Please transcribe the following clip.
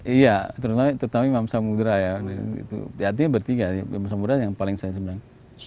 iya tetapi tetapi mam samudera ya itu dia tiga yang paling saya senang